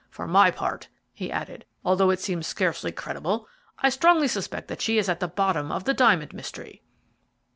For my part," he added, "although it seems scarcely credible, I strongly suspect that she is at the bottom of the diamond mystery."